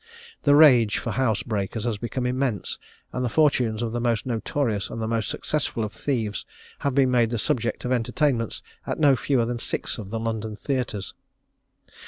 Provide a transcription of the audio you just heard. The rage for house breakers has become immense, and the fortunes of the most notorious and the most successful of thieves have been made the subject of entertainments at no fewer than six of the London theatres.